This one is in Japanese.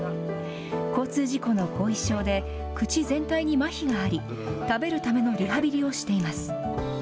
交通事故の後遺症で、口全体にまひがあり、食べるためのリハビリをしています。